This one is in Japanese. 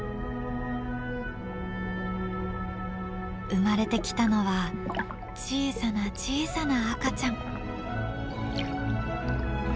生まれてきたのは小さな小さな赤ちゃん。